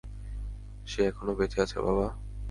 সে এখনও বেঁচে আছে, বাবা।